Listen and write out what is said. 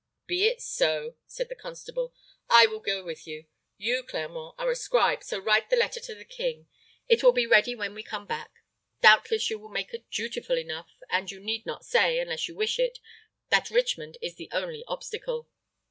"Be it so," said the constable. "I will go with you. You, Clermont, are a scribe, so write the letter to the king. It will be ready when we come back. Doubtless you will make it dutiful enough, and you need not say, unless you wish it, that Richmond is the only obstacle."